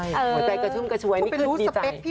หมดใจกะชุ่มกะชวยนี่คือดีใจ